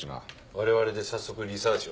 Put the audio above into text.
我々で早速リサーチを。